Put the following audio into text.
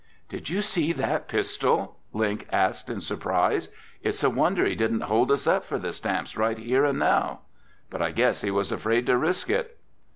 "Did you see that pistol?" Link asked, in surprise. "It's a wonder he didn't hold us up for the stamps right here and now! But I guess he was afraid to risk it."